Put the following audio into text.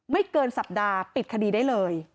ไม่เกินสัปดาห์ปิดคดีได้เลย